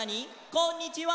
「こんにちは」